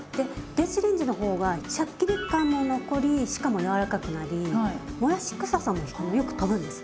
電子レンジの方はシャッキリ感も残りしかも軟らかくなりもやしくささもよくとぶんです。